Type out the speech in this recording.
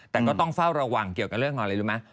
แต่ก็ต้องเฝ้าระวังเกี่ยวกับเรื่องอะไรรู้ไหม